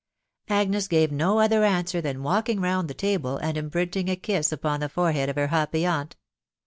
Agnes gave no other answer than walking round the table, and imprinting a kiss upon the forehead of her happy aunt.